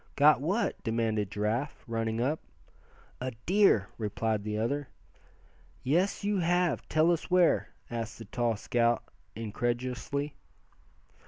"Got what?" demanded Giraffe, running up. "A deer!" replied the other. "Yes, you have. Tell us where?" asked the tall scout, incredulously.